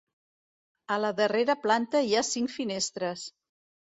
A la darrera planta hi ha cinc finestres.